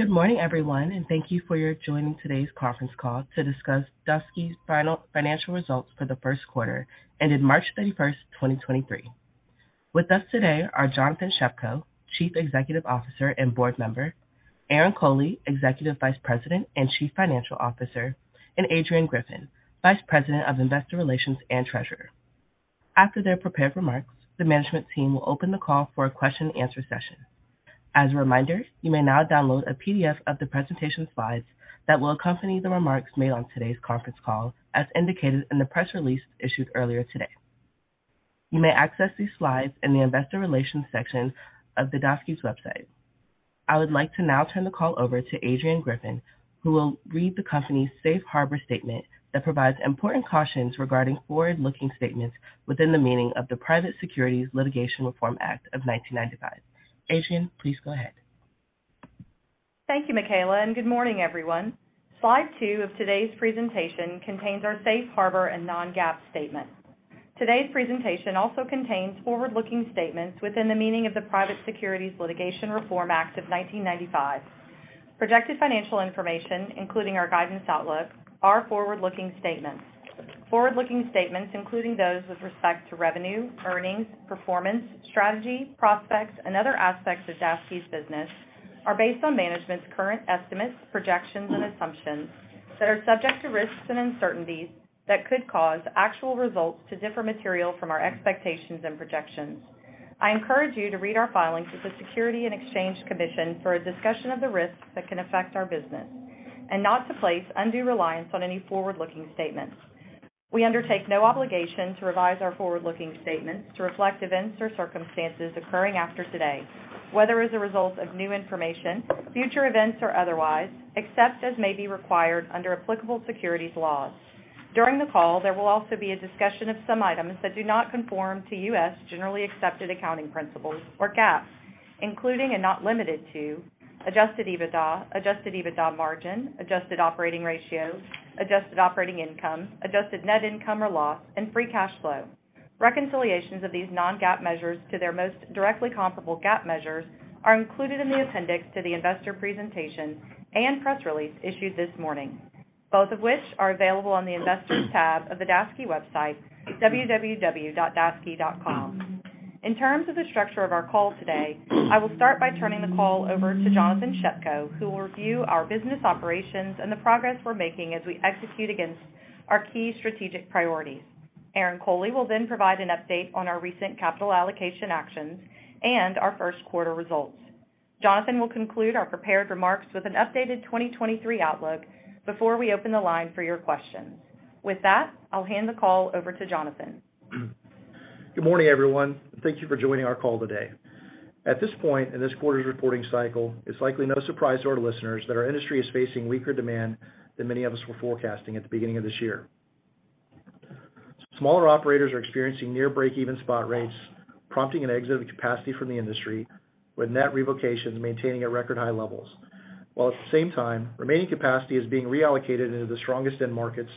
Good morning, everyone, and thank you for your joining today's conference call to discuss Daseke's financial results for the first quarter that ended March 31, 2023. With us today are Jonathan Shepko, Chief Executive Officer and Board Member, Aaron Coley, Executive Vice President and Chief Financial Officer, and Adrianne Griffin, Vice President of Investor Relations and Treasurer. After their prepared remarks, the management team will open the call for a question and answer session. As a reminder, you may now download a PDF of the presentation slides that will accompany the remarks made on today's conference call, as indicated in the press release issued earlier today. You may access these slides in the investor relations section of the Daseke's website. I would like to now turn the call over to Adrianne Griffin, who will read the company's Safe Harbor Statement that provides important cautions regarding forward-looking statements within the meaning of the Private Securities Litigation Reform Act of 1995. Adrian, please go ahead. Thank you, Michaela. Good morning, everyone. Slide two of today's presentation contains our Safe Harbor and non-GAAP statement. Today's presentation also contains forward-looking statements within the meaning of the Private Securities Litigation Reform Act of 1995. Projected financial information, including our guidance outlook are forward-looking statements. Forward-looking statements, including those with respect to revenue, earnings, performance, strategy, prospects, and other aspects of Daseke's business, are based on management's current estimates, projections, and assumptions that are subject to risks and uncertainties that could cause actual results to differ material from our expectations and projections. I encourage you to read our filings with the Securities and Exchange Commission for a discussion of the risks that can affect our business and not to place undue reliance on any forward-looking statements. We undertake no obligation to revise our forward-looking statements to reflect events or circumstances occurring after today, whether as a result of new information, future events or otherwise, except as may be required under applicable securities laws. During the call, there will also be a discussion of some items that do not conform to U.S. generally accepted accounting principles or GAAP, including and not limited to Adjusted EBITDA, Adjusted EBITDA margin, Adjusted Operating Ratio, Adjusted Operating Income, Adjusted net income or loss, and Free Cash Flow. Reconciliations of these non-GAAP measures to their most directly comparable GAAP measures are included in the appendix to the investor presentation and press release issued this morning, both of which are available on the investors tab of the Daseke website, www.daseke.com. In terms of the structure of our call today, I will start by turning the call over to Jonathan Shepko, who will review our business operations and the progress we're making as we execute against our key strategic priorities. Aaron Coley will then provide an update on our recent capital allocation actions and our first quarter results. Jonathan will conclude our prepared remarks with an updated 2023 outlook before we open the line for your questions. I'll hand the call over to Jonathan. Good morning, everyone. Thank you for joining our call today. At this point in this quarter's reporting cycle, it's likely no surprise to our listeners that our industry is facing weaker demand than many of us were forecasting at the beginning of this year. Smaller operators are experiencing near break-even spot rates, prompting an exit of capacity from the industry, with net revocations maintaining at record high levels. At the same time, remaining capacity is being reallocated into the strongest end markets,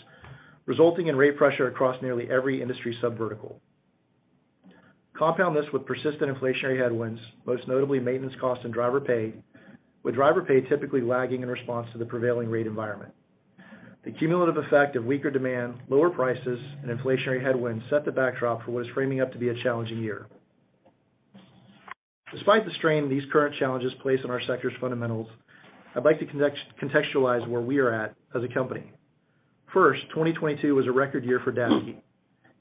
resulting in rate pressure across nearly every industry sub-vertical. Compound this with persistent inflationary headwinds, most notably maintenance costs and driver pay, with driver pay typically lagging in response to the prevailing rate environment. The cumulative effect of weaker demand, lower prices, and inflationary headwinds set the backdrop for what is framing up to be a challenging year. Despite the strain these current challenges place on our sector's fundamentals, I'd like to contextualize where we are at as a company. 2022 was a record year for Daseke.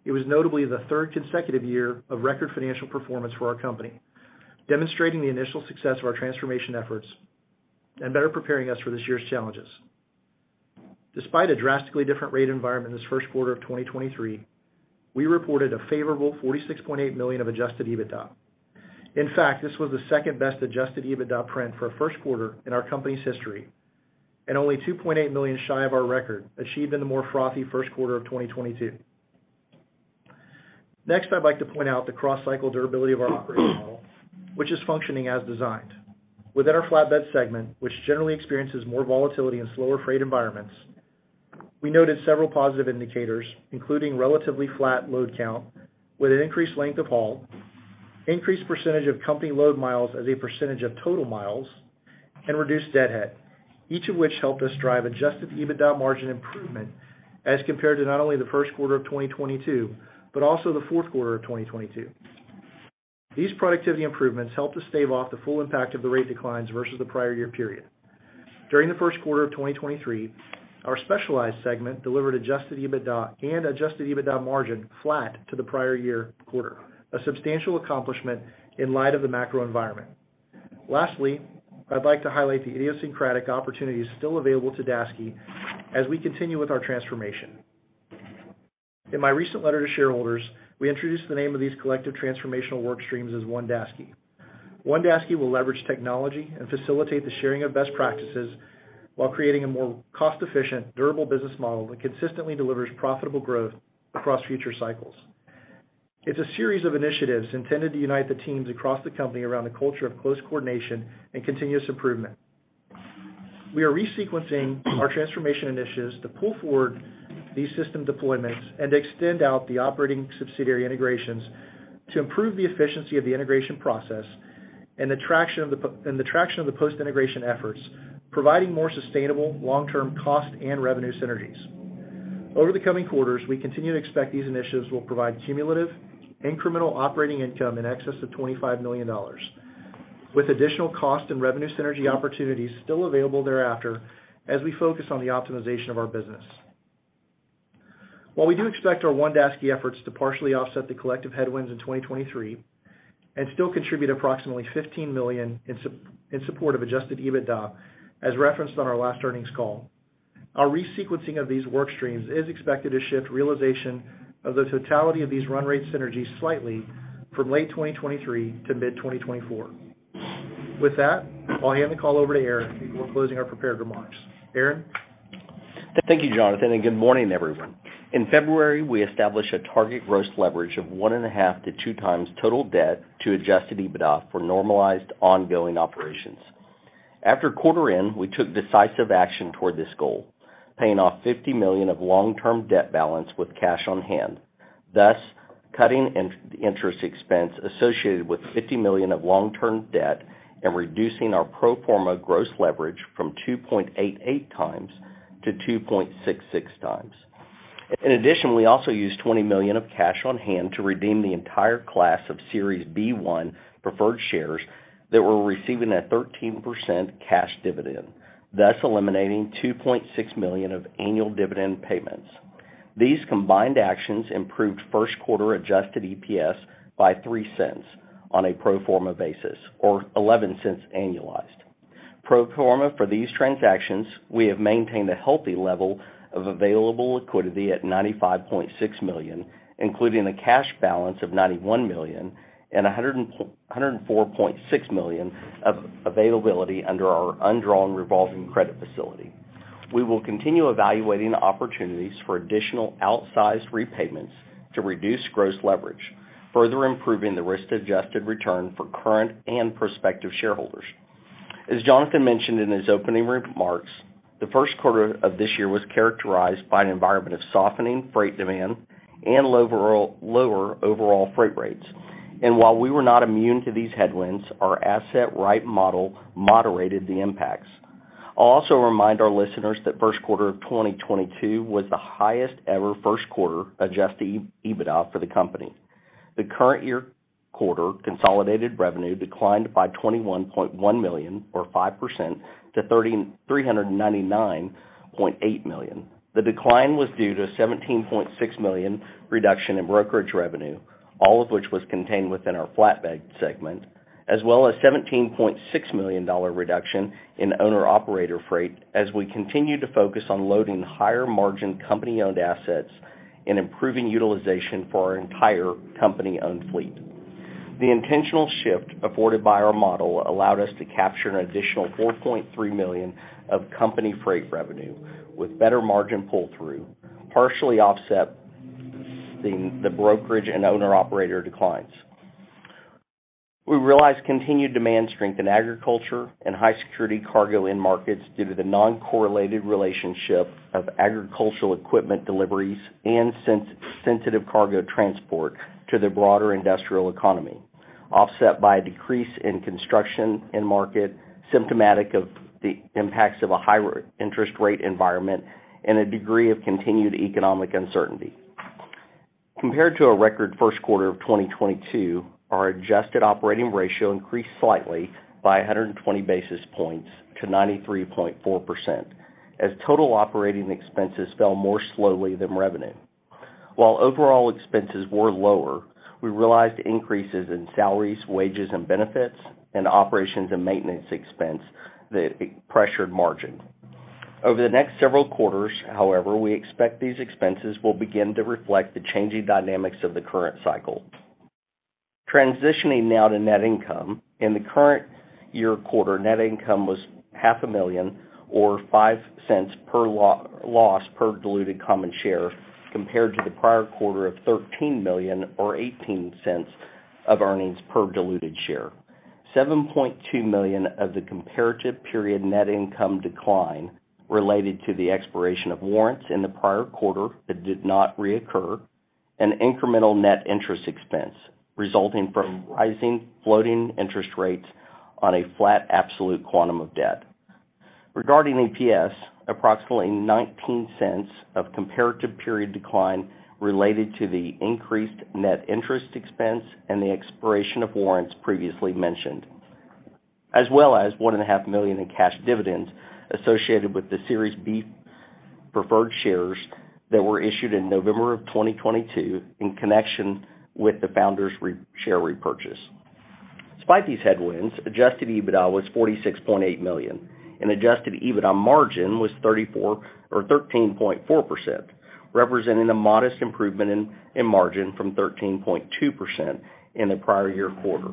It was notably the third consecutive year of record financial performance for our company, demonstrating the initial success of our transformation efforts and better preparing us for this year's challenges. Despite a drastically different rate environment in this first quarter of 2023, we reported a favorable $46.8 million of Adjusted EBITDA. This was the second-best Adjusted EBITDA print for a first quarter in our company's history, and only $2.8 million shy of our record achieved in the more frothy first quarter of 2022. I'd like to point out the cross-cycle durability of our operating model, which is functioning as designed. Within our Flatbed segment, which generally experiences more volatility in slower freight environments, we noted several positive indicators, including relatively flat load count with an increased length of haul, increased percentage of company load miles as a percentage of total miles, and reduced deadhead. Each of which helped us drive Adjusted EBITDA margin improvement as compared to not only the first quarter of 2022, but also the fourth quarter of 2022. These productivity improvements helped us stave off the full impact of the rate declines versus the prior year period. During the first quarter of 2023, our Specialized segment delivered Adjusted EBITDA and Adjusted EBITDA margin flat to the prior year quarter, a substantial accomplishment in light of the macro environment. Lastly, I'd like to highlight the idiosyncratic opportunities still available to Daseke as we continue with our transformation. In my recent letter to shareholders, we introduced the name of these collective transformational work streams as One Daseke. One Daseke will leverage technology and facilitate the sharing of best practices while creating a more cost-efficient, durable business model that consistently delivers profitable growth across future cycles. It's a series of initiatives intended to unite the teams across the company around the culture of close coordination and continuous improvement. We are resequencing our transformation initiatives to pull forward these system deployments and extend out the operating subsidiary integrations to improve the efficiency of the integration process and the traction of the post-integration efforts, providing more sustainable long-term cost and revenue synergies. Over the coming quarters, we continue to expect these initiatives will provide cumulative incremental operating income in excess of $25 million, with additional cost and revenue synergy opportunities still available thereafter as we focus on the optimization of our business. While we do expect our One Daseke efforts to partially offset the collective headwinds in 2023 and still contribute approximately $15 million in support of Adjusted EBITDA, as referenced on our last earnings call, our resequencing of these work streams is expected to shift realization of the totality of these run rate synergies slightly from late 2023 to mid-2024. With that, I'll hand the call over to Aaron, who will close our prepared remarks. Aaron? Thank you, Jonathan. Good morning, everyone. In February, we established a target gross leverage of 1.5x-2x total debt to Adjusted EBITDA for normalized ongoing operations. After quarter end, we took decisive action toward this goal, paying off $50 million of long-term debt balance with cash on-hand, thus cutting interest expense associated with $50 million of long-term debt and reducing our pro forma gross leverage from 2.88x to 2.66x. We also used $20 million of cash on hand to redeem the entire class of Series B-1 preferred shares that were receiving a 13% cash dividend, thus eliminating $2.6 million of annual dividend payments. These combined actions improved first quarter Adjusted EPS by $0.03 on a pro forma basis, or $0.11 annualized. Pro forma for these transactions, we have maintained a healthy level of available liquidity at $95.6 million, including a cash balance of $91 million and $104.6 million of availability under our undrawn revolving credit facility. We will continue evaluating opportunities for additional outsized repayments to reduce gross leverage, further improving the risk-adjusted return for current and prospective shareholders. As Jonathan mentioned in his opening remarks, the first quarter of this year was characterized by an environment of softening freight demand and lower overall freight rates. While we were not immune to these headwinds, our asset-right model moderated the impacts. I'll also remind our listeners that first quarter of 2022 was the highest ever first quarter Adjusted EBITDA for the company. The current year quarter consolidated revenue declined by $21.1 million, or 5%, to $399.8 million. The decline was due to a $17.6 million reduction in brokerage revenue, all of which was contained within our Flatbed Solutions segment, as well as a $17.6 million reduction in owner-operator freight as we continue to focus on loading higher-margin company-owned assets and improving utilization for our entire company-owned fleet. The intentional shift afforded by our model allowed us to capture an additional $4.3 million of company freight revenue with better margin pull-through, partially offsetting the brokerage and owner-operator declines. We realized continued demand strength in agriculture and high-security cargo end markets due to the non-correlated relationship of agricultural equipment deliveries and sensitive cargo transport to the broader industrial economy, offset by a decrease in construction end market, symptomatic of the impacts of a high interest rate environment and a degree of continued economic uncertainty. Compared to our record first quarter of 2022, our adjusted operating ratio increased slightly by 120 basis points to 93.4% as total operating expenses fell more slowly than revenue. While overall expenses were lower, we realized increases in salaries, wages, and benefits and operations and maintenance expense that pressured margin. Over the next several quarters, however, we expect these expenses will begin to reflect the changing dynamics of the current cycle. Transitioning now to net income. In the current year quarter, net income was half a million or $0.05 loss per diluted common share compared to the prior quarter of $13 million or $0.18 of earnings per diluted share. $7.2 million of the comparative period net income decline related to the expiration of warrants in the prior quarter that did not recur, an incremental net interest expense resulting from rising floating interest rates on a flat absolute quantum of debt. Regarding EPS, approximately $0.19 of comparative period decline related to the increased net interest expense and the expiration of warrants previously mentioned, as well as $1.5 million in cash dividends associated with the Series B preferred shares that were issued in November of 2022 in connection with the founders' share repurchase. Despite these headwinds, Adjusted EBITDA was $46.8 million, Adjusted EBITDA margin was 13.4%, representing a modest improvement in margin from 13.2% in the prior year quarter.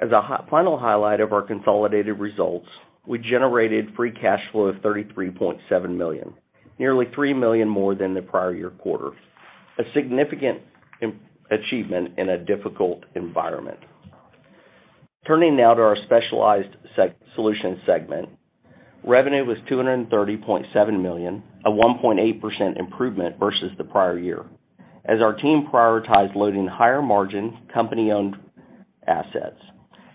As a final highlight of our consolidated results, we generated Free Cash Flow of $33.7 million, nearly $3 million more than the prior year quarter, a significant achievement in a difficult environment. Turning now to our specialized solutions segment. Revenue was $230.7 million, a 1.8% improvement versus the prior year, as our team prioritized loading higher margin company-owned assets.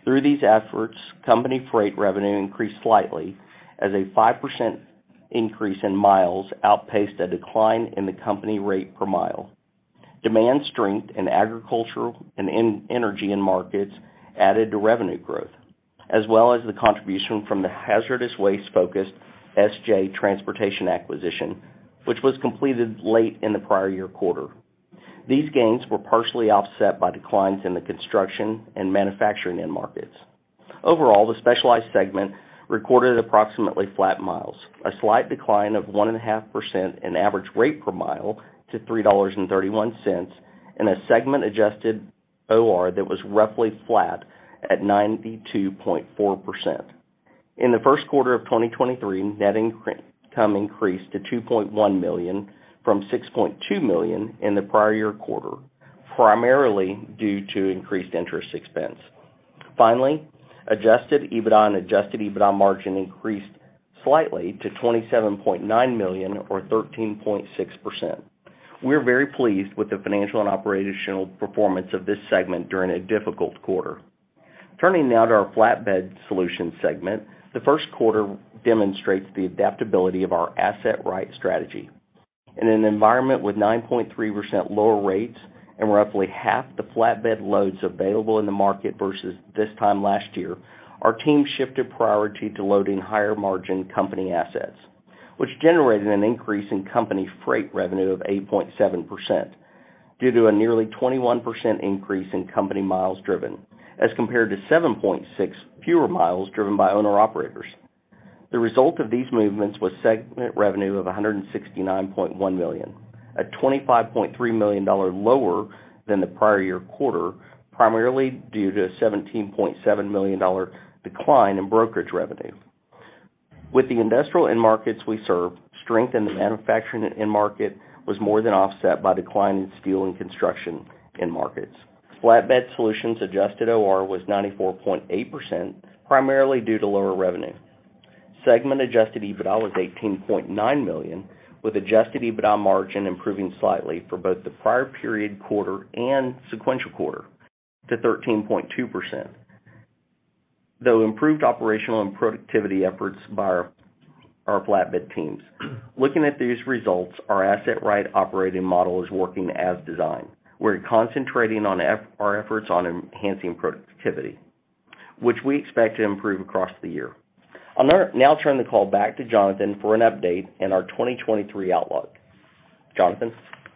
Through these efforts, company freight revenue increased slightly as a 5% increase in miles outpaced a decline in the company rate per mile. Demand strength in agricultural and energy end markets added to revenue growth, as well as the contribution from the hazardous waste-focused SJ Transportation acquisition, which was completed late in the prior year quarter. These gains were partially offset by declines in the construction and manufacturing end markets. Overall, the specialized segment recorded approximately flat miles, a slight decline of 1.5% in average rate per mile to $3.31, and a segment adjusted OR that was roughly flat at 92.4%. In the first quarter of 2023, net income increased to $2.1 million from $6.2 million in the prior year quarter, primarily due to increased interest expense. Adjusted EBITDA and Adjusted EBITDA margin increased slightly to $27.9 million or 13.6%. We are very pleased with the financial and operational performance of this segment during a difficult quarter. Turning now to our Flatbed Solutions segment. The first quarter demonstrates the adaptability of our asset-right strategy. In an environment with 9.3% lower rates and roughly half the flatbed loads available in the market versus this time last year, our team shifted priority to loading higher-margin company assets, which generated an increase in company freight revenue of 8.7% due to a nearly 21% increase in company miles driven, as compared to 7.6 fewer miles driven by owner-operators. The result of these movements was segment revenue of $169.1 million, at $25.3 million lower than the prior year quarter, primarily due to a $17.7 million decline in brokerage revenue. With the industrial end markets we serve, strength in the manufacturing end market was more than offset by decline in steel and construction end markets. Flatbed Solutions' adjusted OR was 94.8%, primarily due to lower revenue. Segment Adjusted EBITDA was $18.9 million, with Adjusted EBITDA margin improving slightly for both the prior period quarter and sequential quarter to 13.2%, though improved operational and productivity efforts by our flatbed teams. Looking at these results, our asset-right operating model is working as designed. We're concentrating on our efforts on enhancing productivity, which we expect to improve across the year. I'll now turn the call back to Jonathan for an update in our 2023 outlook. Jonathan?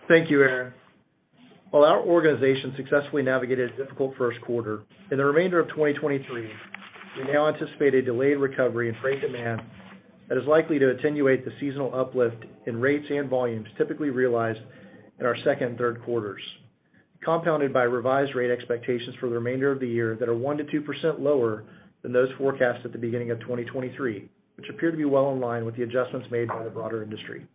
Thank you, Aaron. While our organization successfully navigated a difficult first quarter, in the remainder of 2023, we now anticipate a delayed recovery in freight demand that is likely to attenuate the seasonal uplift in rates and volumes typically realized in our second and third quarters, compounded by revised rate expectations for the remainder of the year that are 1%-2% lower than those forecast at the beginning of 2023, which appear to be well in line with the adjustments made by the broader industry.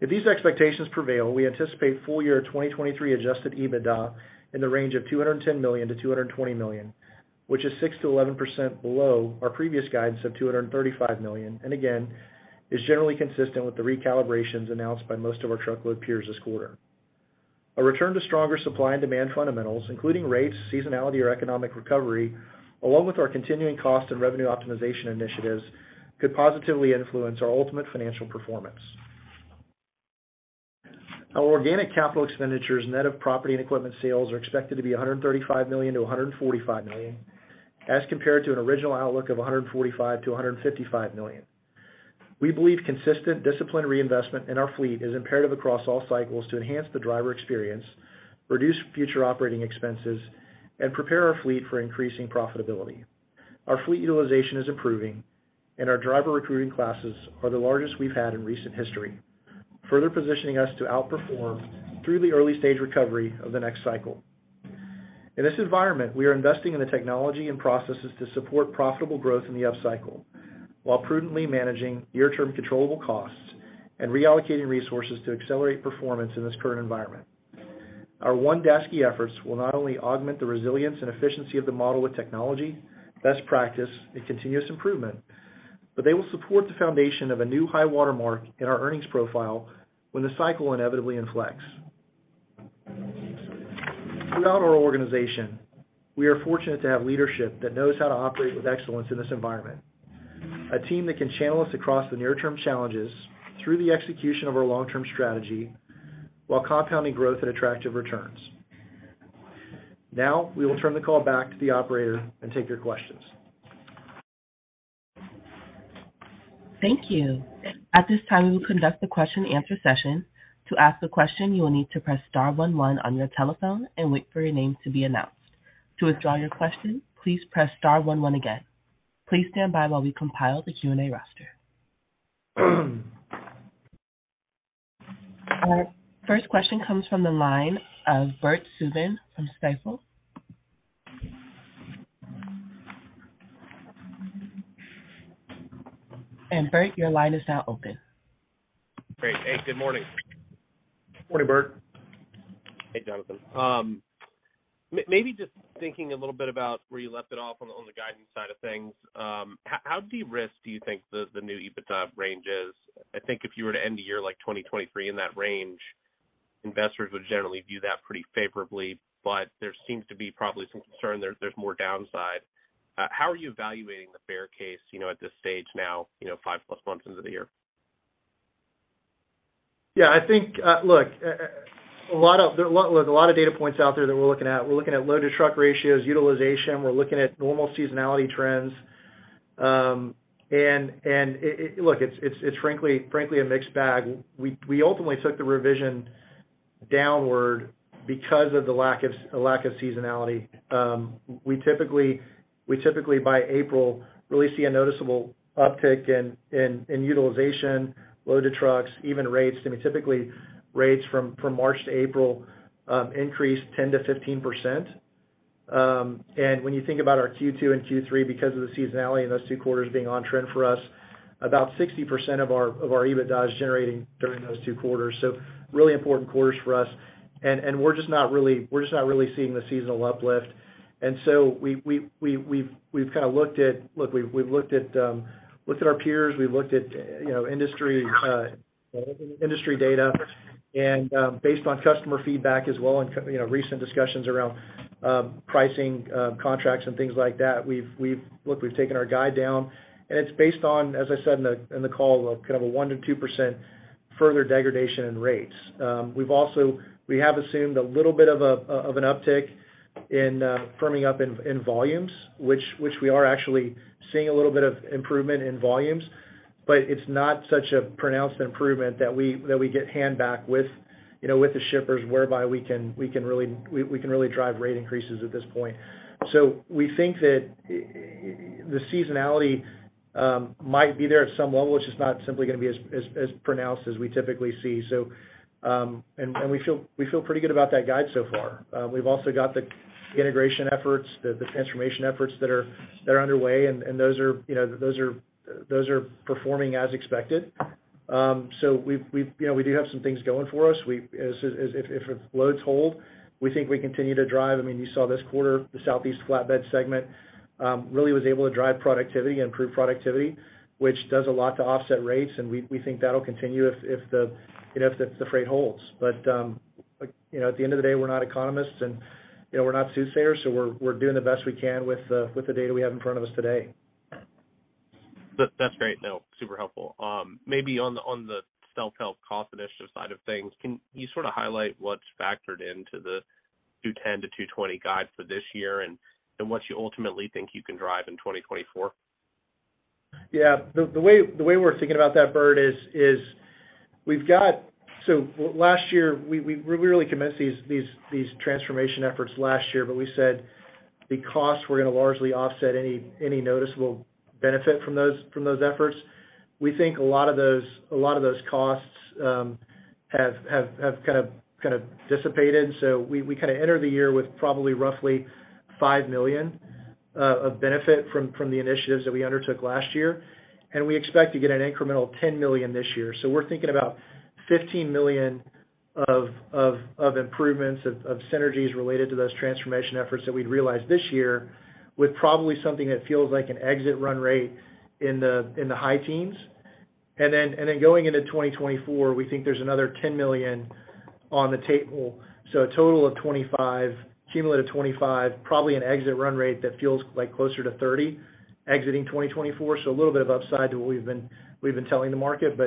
If these expectations prevail, we anticipate full year 2023 Adjusted EBITDA in the range of $210 million-$220 million, which is 6%-11% below our previous guidance of $235 million, and again, is generally consistent with the recalibrations announced by most of our truckload peers this quarter. A return to stronger supply and demand fundamentals, including rates, seasonality, or economic recovery, along with our continuing cost and revenue optimization initiatives, could positively influence our ultimate financial performance. Our organic capital expenditures net of property and equipment sales are expected to be $135 million-$145 million, as compared to an original outlook of $145 million-$155 million. We believe consistent, disciplined reinvestment in our fleet is imperative across all cycles to enhance the driver experience, reduce future operating expenses, and prepare our fleet for increasing profitability. Our fleet utilization is improving, and our driver recruiting classes are the largest we've had in recent history, further positioning us to outperform through the early-stage recovery of the next cycle. In this environment, we are investing in the technology and processes to support profitable growth in the upcycle, while prudently managing near-term controllable costs and reallocating resources to accelerate performance in this current environment. Our One Daseke efforts will not only augment the resilience and efficiency of the model with technology, best practice, and continuous improvement, but they will support the foundation of a new high water mark in our earnings profile when the cycle inevitably inflex. Throughout our organization, we are fortunate to have leadership that knows how to operate with excellence in this environment, a team that can channel us across the near-term challenges through the execution of our long-term strategy, while compounding growth at attractive returns. We will turn the call back to the operator and take your questions. Thank you. At this time, we will conduct a question and answer session. To ask a question, you will need to press star one one on your telephone and wait for your name to be announced. To withdraw your question, please press star one one again. Please stand by while we compile the Q&A roster. Our first question comes from the line of Bert Subin from Stifel. Bert, your line is now open. Great. Hey, good morning. Morning, Bert. Hey, Jonathan. Maybe just thinking a little bit about where you left it off on the guidance side of things. How de-risked do you think the new EBITDA range is? I think if you were to end the year like 2023 in that range, investors would generally view that pretty favorably. There seems to be probably some concern there's more downside. How are you evaluating the bear case, you know, at this stage now, you know, five-plus months into the year? Yeah, I think, look, a lot of data points out there that we're looking at. We're looking at load-to-truck ratios, utilization, we're looking at normal seasonality trends. It's frankly a mixed bag. We ultimately took the revision downward because of the lack of seasonality. We typically by April really see a noticeable uptick in utilization, load to trucks, even rates. I mean, typically, rates from March to April, increase 10%-15%. When you think about our Q2 and Q3, because of the seasonality in those two quarters being on trend for us, about 60% of our EBITDA is generating during those two quarters. Really important quarters for us. We're just not really seeing the seasonal uplift. We've kind of looked at our peers, we've looked at, you know, industry data. Based on customer feedback as well and you know, recent discussions around pricing, contracts and things like that, we've taken our guide down, and it's based on, as I said in the call, kind of a 1% to 2% further degradation in rates. We have assumed a little bit of an uptick in firming up in volumes, which we are actually seeing a little bit of improvement in volumes. It's not such a pronounced improvement that we get handback with, you know, with the shippers whereby we can really drive rate increases at this point. We think that the seasonality might be there at some level. It's just not simply gonna be as pronounced as we typically see. And we feel pretty good about that guide so far. We've also got the integration efforts, the transformation efforts that are underway, and those are, you know, those are performing as expected. We've, you know, we do have some things going for us. As if loads hold, we think we continue to drive. I mean, you saw this quarter, the Southeast flatbed segment, really was able to drive productivity and improve productivity, which does a lot to offset rates, and we think that'll continue if the, you know, if the freight holds. You know, at the end of the day, we're not economists and, you know, we're not soothsayers, so we're doing the best we can with the data we have in front of us today. That's great. No, super helpful. Maybe on the self-help cost initiative side of things, can you sort of highlight what's factored into the $210-$220 guide for this year and what you ultimately think you can drive in 2024? Yeah. The way we're thinking about that, Bert, is we've got. Last year, we really commenced these transformation efforts last year, but we said the costs were gonna largely offset any noticeable benefit from those efforts. We think a lot of those costs have kind of dissipated, we kinda entered the year with probably roughly $5 million of benefit from the initiatives that we undertook last year. We expect to get an incremental $10 million this year. We're thinking about $15 million of improvements, of synergies related to those transformation efforts that we'd realize this year with probably something that feels like an exit run rate in the high teens. Then going into 2024, we think there's another $10 million on the table. A total of 25, cumulative 25, probably an exit run rate that feels like closer to 30 exiting 2024. A little bit of upside to what we've been telling the market.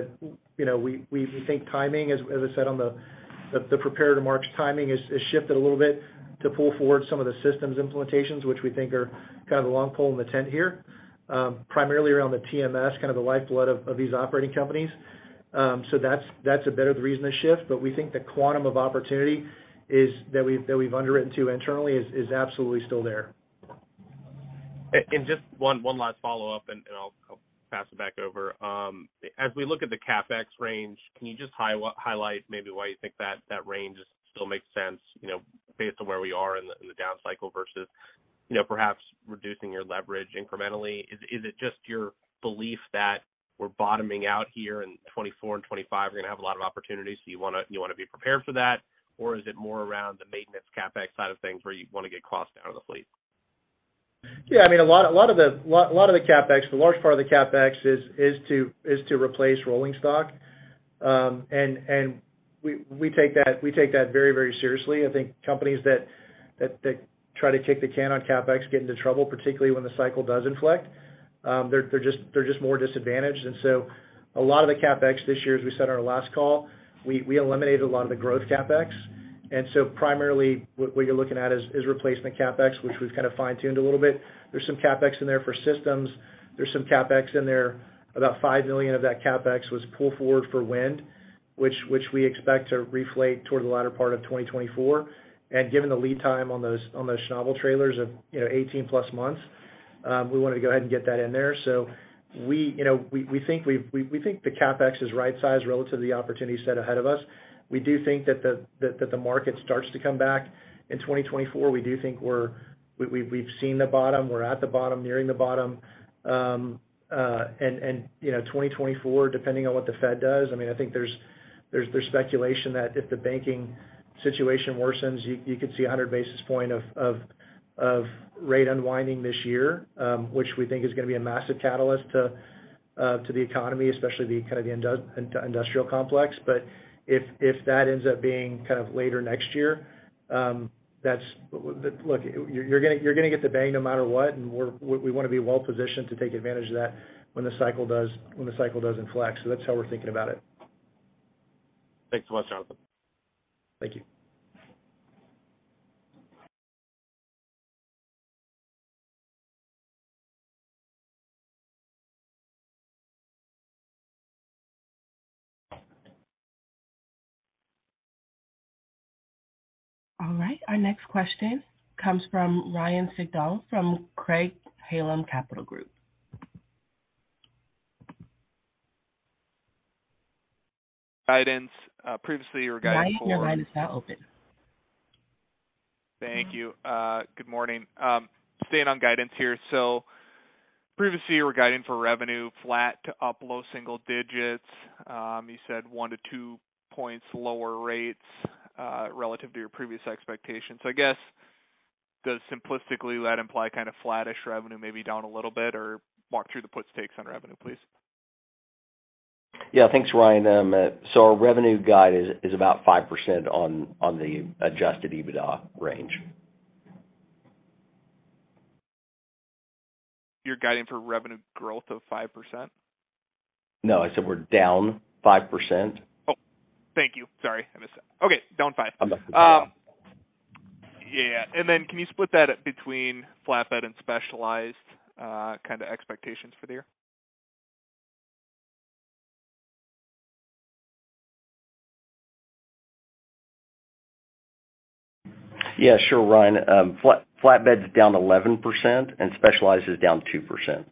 You know, we think timing, as I said on the prepared remarks timing has shifted a little bit to pull forward some of the systems implementations, which we think are kind of the long pole in the tent here, primarily around the TMS, kind of the lifeblood of these operating companies. That's a bit of the reason the shift. We think the quantum of opportunity is that we've underwritten to internally is absolutely still there. Just one last follow-up and I'll pass it back over. As we look at the CapEx range, can you just highlight maybe why you think that range still makes sense, you know, based on where we are in the down cycle versus, you know, perhaps reducing your leverage incrementally? Is it just your belief that we're bottoming out here in '24 and '25, we're gonna have a lot of opportunities, so you wanna be prepared for that? Is it more around the maintenance CapEx side of things where you wanna get costs down on the fleet? Yeah. I mean, a lot of the CapEx, the large part of the CapEx is to replace rolling stock. And we take that very seriously. I think companies that try to kick the can on CapEx get into trouble, particularly when the cycle does inflect. They're just more disadvantaged. A lot of the CapEx this year, as we said on our last call, we eliminated a lot of the growth CapEx. Primarily what you're looking at is replacement CapEx, which we've kind of fine-tuned a little bit. There's some CapEx in there for systems. There's some CapEx in there, about $5 million of that CapEx was pull forward for wind, which we expect to reflate toward the latter part of 2024. Given the lead time on those, on those Schnabel trailers of, you know, 18+ months, we wanted to go ahead and get that in there. We, you know, we think we've, we think the CapEx is right size relative to the opportunity set ahead of us. We do think that the market starts to come back in 2024. We do think we've seen the bottom, we're at the bottom, nearing the bottom. You know, 2024, depending on what the Fed does, I mean, I think there's speculation that if the banking situation worsens, you could see 100 basis points of rate unwinding this year, which we think is gonna be a massive catalyst to the economy, especially the kind of the industrial complex. If that ends up being kind of later next year, Look, you're gonna get the bang no matter what, and we wanna be well positioned to take advantage of that when the cycle does, when the cycle does inflect. That's how we're thinking about it. Thanks so much, Jonathan. Thank you. All right, our next question comes from Ryan Sigdahl from Craig-Hallum Capital Group. Guidance. Previously, you were guiding. Ryan, your line is now open. Thank you. Good morning. Staying on guidance here. Previously, you were guiding for revenue flat to up low single digits. You said one to two points lower rates relative to your previous expectations. I guess, does simplistically that imply kind of flattish revenue, maybe down a little bit, or walk through the puts, takes on revenue, please? Yeah, thanks, Ryan. Our revenue guide is about 5% on the Adjusted EBITDA range. You're guiding for revenue growth of 5%? No, I said we're down 5%. Oh, thank you. Sorry, I missed that. Okay, down five. Yeah, yeah. Then can you split that between flatbed and specialized, kind of expectations for the year? Yeah, sure, Ryan. Flatbed's down 11% and Specialized is down 2%.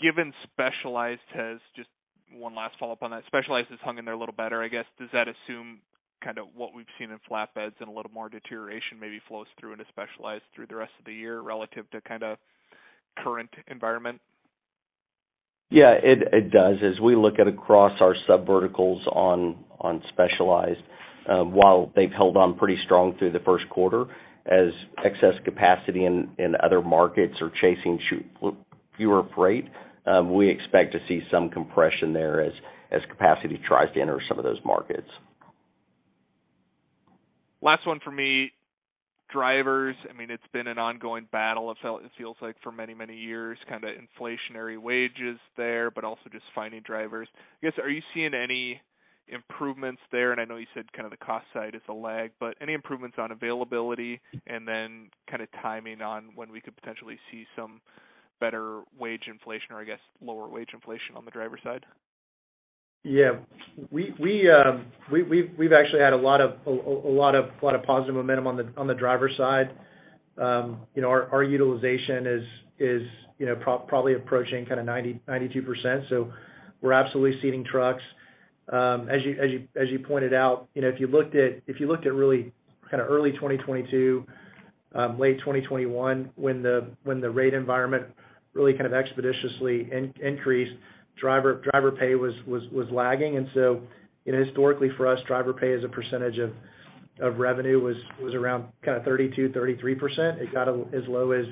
Given Specialized has just... One last follow-up on that. Specialized has hung in there a little better, I guess. Does that assume kind of what we've seen in Flatbeds and a little more deterioration maybe flows through into specialized through the rest of the year relative to kind of current environment? Yeah, it does. As we look at across our subverticals on specialized, while they've held on pretty strong through the first quarter as excess capacity in other markets are chasing fewer freight, we expect to see some compression there as capacity tries to enter some of those markets. Last one for me. Drivers, I mean, it's been an ongoing battle, it feels like for many, many years, kinda inflationary wages there, but also just finding drivers. I guess, are you seeing any improvements there? I know you said kind of the cost side is a lag, but any improvements on availability and then kind of timing on when we could potentially see some better wage inflation or I guess lower wage inflation on the driver side? Yeah. We've actually had a lot of positive momentum on the driver side. You know, our utilization is, you know, probably approaching kind of 90%-92%. So we're absolutely seating trucks. As you pointed out, you know, if you looked at really kind of early 2022, late 2021, when the rate environment really kind of expeditiously increased, driver pay was lagging. You know, historically for us, driver pay as a percentage of revenue was around kind of 32%-33%. It got as low as,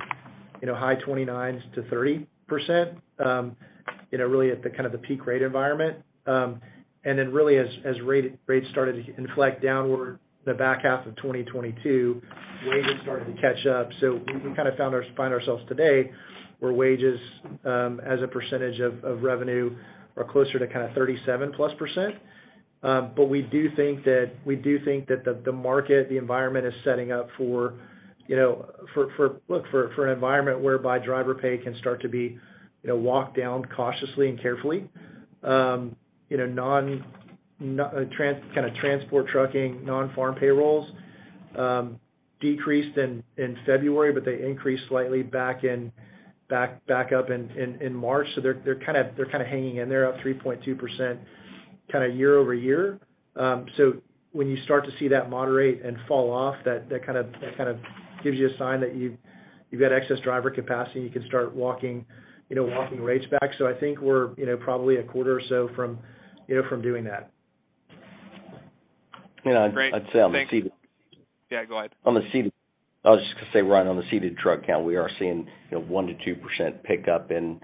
you know, high 29%-30%, you know, really at the kind of the peak rate environment. Really as rates started to inflect downward the back half of 2022, wages started to catch up. We kind of find ourselves today where wages as a percentage of revenue are closer to kind of 37+%. We do think that the market, the environment is setting up for, you know, for an environment whereby driver pay can start to be, you know, walked down cautiously and carefully. You know, non-transport trucking, nonfarm payrolls decreased in February, but they increased slightly back up in March. They're kind of hanging in there, up 3.2% kind of year-over-year. When you start to see that moderate and fall off, that kind of gives you a sign that you've got excess driver capacity, you can start walking, you know, walking rates back. I think we're, you know, probably a quarter or so from, you know, from doing that. You know, I'd say. Great. Thanks. Yeah, go ahead. Ryan, on the seated truck count, we are seeing, you know, 1%-2% pickup in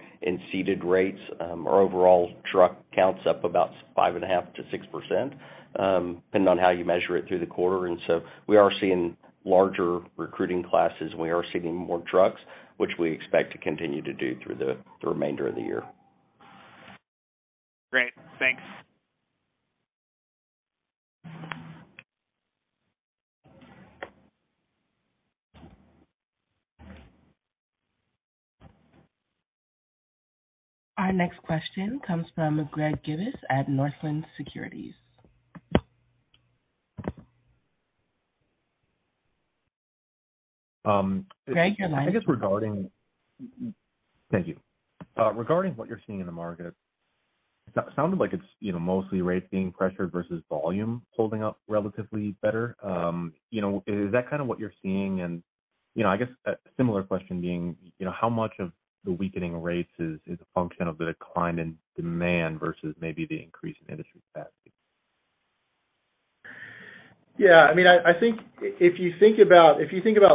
seated rates. Our overall truck count's up about 5.5%-6%, depending on how you measure it through the quarter. So we are seeing larger recruiting classes and we are seeing more trucks, which we expect to continue to do through the remainder of the year. Great. Thanks. Our next question comes from Greg Gibas at Northland Securities. Greg, your line. Thank you. Regarding what you're seeing in the market, sounded like it's, you know, mostly rates being pressured versus volume holding up relatively better. You know, is that kind of what you're seeing? You know, I guess a similar question being, you know, how much of the weakening rates is a function of the decline in demand versus maybe the increase in industry capacity? Yeah. I mean, I think if you think about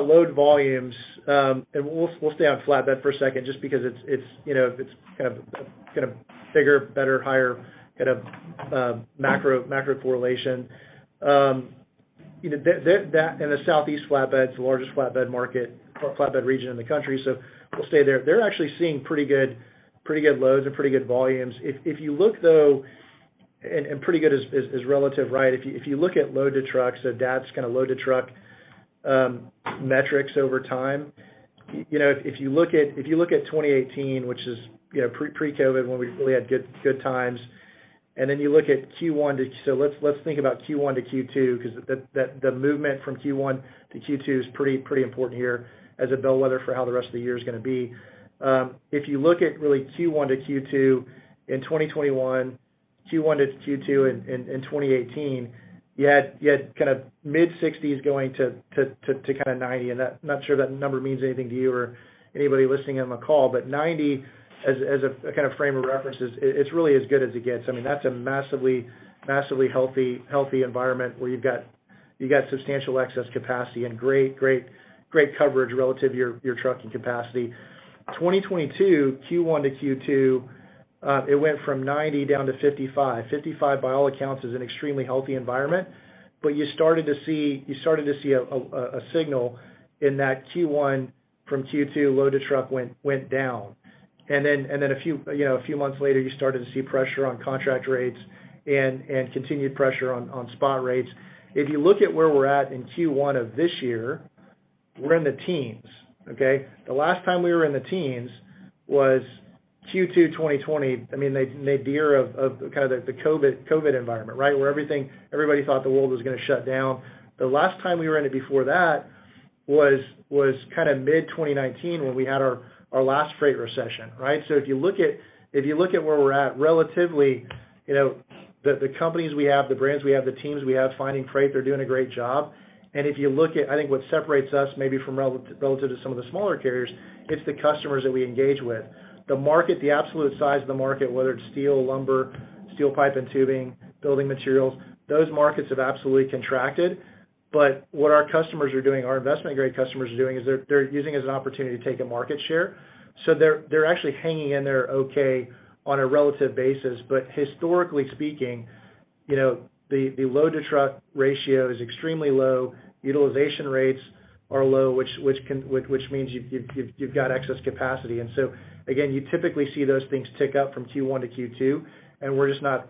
load volumes, we'll stay on flatbed for a second just because it's, you know, it's kind of bigger, better, higher kind of macro correlation. You know, that and the Southeast flatbed is the largest flatbed market or flatbed region in the country, we'll stay there. They're actually seeing pretty good loads and pretty good volumes. If you look though, pretty good is relative, right? If you look at load to trucks, that's kind of load to truck metrics over time, you know, if you look at 2018, which is, you know, pre-COVID when we really had good times, then you look at Q1 to... Let's think about Q1 to Q2 because the movement from Q1 to Q2 is pretty important here as a bellwether for how the rest of the year is going to be. If you look at really Q1 to Q2 in 2021, Q1 to Q2 in 2018, you had kind of mid-60s going to kind of 90. That, not sure that number means anything to you or anybody listening on the call. Ninety as a kind of frame of reference is really as good as it gets. I mean, that's a massively healthy environment where you've got substantial excess capacity and great coverage relative to your trucking capacity. 2022, Q1 to Q2, it went from 90 down to 55. 55, by all accounts, is an extremely healthy environment. You started to see a signal in that Q1 from Q2 load to truck went down. Then a few, you know, a few months later, you started to see pressure on contract rates and continued pressure on spot rates. If you look at where we're at in Q1 of this year, we're in the teens, okay? The last time we were in the teens was Q2 2020. I mean, the year of kind of the COVID environment, right? Where everybody thought the world was going to shut down. The last time we were in it before that was kind of mid-2019 when we had our last freight recession, right? If you look at where we're at relatively, you know, the companies we have, the brands we have, the teams we have finding freight, they're doing a great job. If you look at, I think what separates us maybe from relative to some of the smaller carriers, it's the customers that we engage with. The market, the absolute size of the market, whether it's steel, lumber, steel pipe and tubing, building materials, those markets have absolutely contracted. What our customers are doing, our investment-grade customers are doing is they're using it as an opportunity to take a market share. They're actually hanging in there okay on a relative basis. Historically speaking, you know, the load-to-truck ratio is extremely low. Utilization rates are low, which can, which means you've got excess capacity. Again, you typically see those things tick up from Q1 to Q2, and we're just not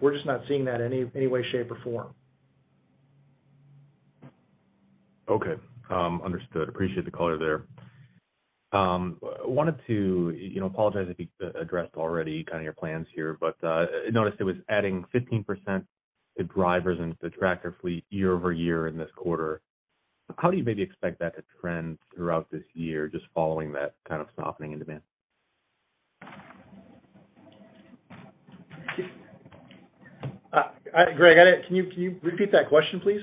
seeing that in any way, shape, or form. Okay. Understood. Appreciate the color there. Wanted to, you know, apologize if you addressed already kind of your plans here, but noticed it was adding 15% to drivers and to the tractor fleet year-over-year in this quarter. How do you maybe expect that to trend throughout this year, just following that kind of softening in demand? Greg, Can you repeat that question, please?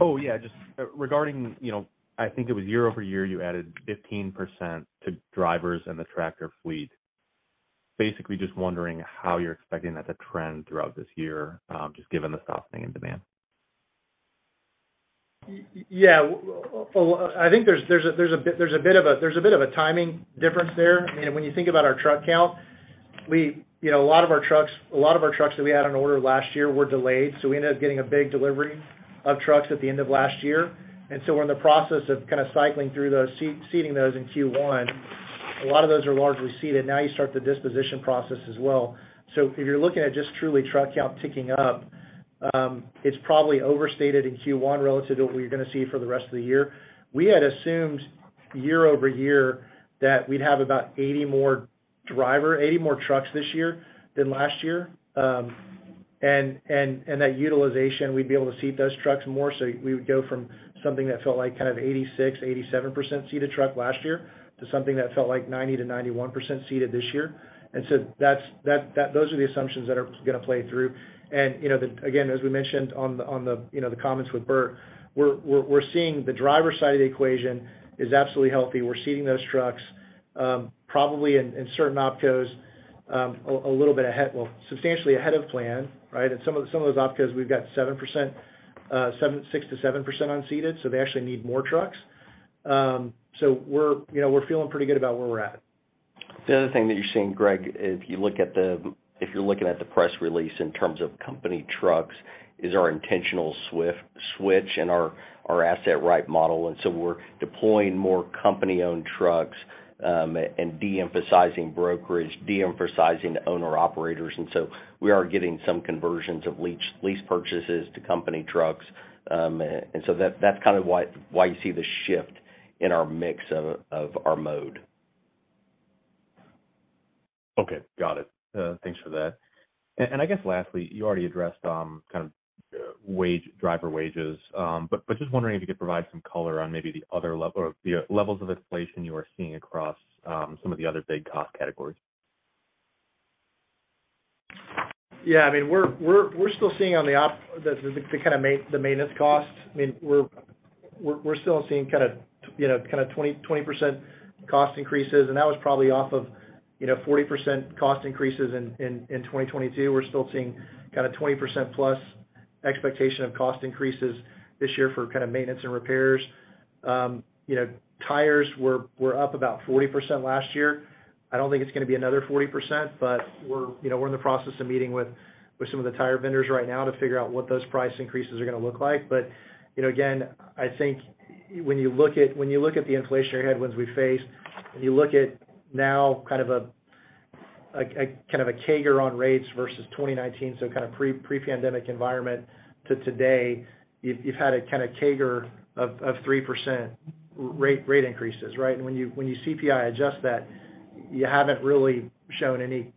Oh, yeah. Just regarding, you know, I think it was year-over-year, you added 15% to drivers and the tractor fleet. Basically just wondering how you're expecting that to trend throughout this year, just given the softening in demand? Yeah. Well, I think there's a bit of a timing difference there. I mean, when you think about our truck count, we, you know, a lot of our trucks that we had on order last year were delayed, we ended up getting a big delivery of trucks at the end of last year. We're in the process of kind of cycling through those, seating those in Q1. A lot of those are largely seated. Now you start the disposition process as well. If you're looking at just truly truck count ticking up, it's probably overstated in Q1 relative to what you're going to see for the rest of the year. We had assumed year-over-year that we'd have about 80 more driver, 80 more trucks this year than last year. That utilization, we'd be able to seat those trucks more. So we would go from something that felt like kind of 86%-87% seated truck last year to something that felt like 90%-91% seated this year. You know, again, as we mentioned on the, you know, the comments with Bert, we're seeing the driver side of the equation is absolutely healthy. We're seating those trucks, probably in certain OpCos, a little bit ahead, well, substantially ahead of plan, right? In some of those OpCos, we've got 6%-7% unseated. They actually need more trucks. We're, you know, we're feeling pretty good about where we're at. The other thing that you're seeing, Greg, if you look at the, if you're looking at the press release in terms of company trucks is our intentional swift switch and our asset-right model. We're deploying more company-owned trucks, and de-emphasizing brokerage, de-emphasizing the owner-operators. We are getting some conversions of lease-purchase to company trucks. That's kind of why you see the shift in our mix of our mode. Okay. Got it. thanks for that. I guess lastly, you already addressed, kind of driver wages, but just wondering if you could provide some color on maybe the other level or the levels of inflation you are seeing across, some of the other big cost categories. Yeah. I mean, we're still seeing on the maintenance costs. I mean, we're still seeing, you know, 20% cost increases. That was probably off of, you know, 40% cost increases in 2022. We're still seeing 20%+ expectation of cost increases this year for maintenance and repairs. You know, tires were up about 40% last year. I don't think it's gonna be another 40%, but we're, you know, we're in the process of meeting with some of the tire vendors right now to figure out what those price increases are gonna look like. You know, again, I think when you look at the inflationary headwinds we face and you look at now like a kind of a CAGR on rates versus 2019, so pre-pandemic environment to today, you've had a kinda CAGR of 3% rate increases, right? When you, when you CPI adjust that, you haven't really shown any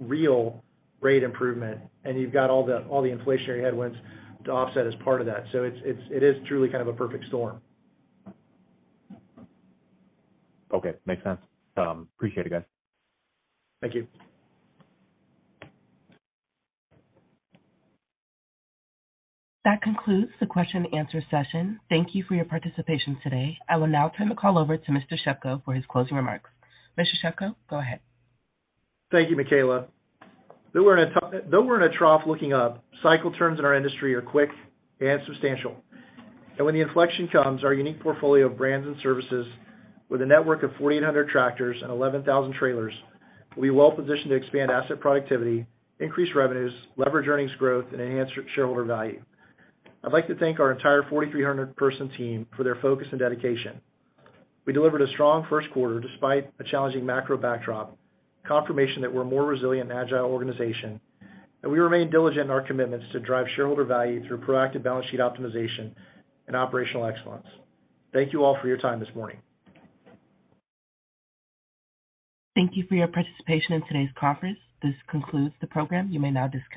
real rate improvement, and you've got all the inflationary headwinds to offset as part of that. It's truly kind of a perfect storm. Okay. Makes sense. Appreciate it guys. Thank you. That concludes the question and answer session. Thank you for your participation today. I will now turn the call over to Mr. Shepko for his closing remarks. Mr. Shepko, go ahead. Thank you, Michaela. Though we're in a trough looking up, cycle turns in our industry are quick and substantial. When the inflection comes, our unique portfolio of brands and services with a network of 1,400 tractors and 11,000 trailers, we're well-positioned to expand asset productivity, increase revenues, leverage earnings growth, and enhance shareholder value. I'd like to thank our entire 4,300 person team for their focus and dedication. We delivered a strong first quarter despite a challenging macro backdrop, confirmation that we're a more resilient and agile organization, and we remain diligent in our commitments to drive shareholder value through proactive balance sheet optimization and operational excellence. Thank you all for your time this morning. Thank you for your participation in today's conference. This concludes the program. You may now disconnect.